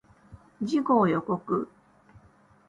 次号予告